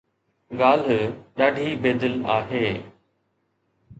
ڳالهه ڏاڍي بي دل آهي